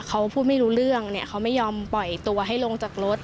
เขาพูดไม่รู้เรื่องเนี่ยเขาไม่ยอมปล่อยตัวให้ลงจากรถ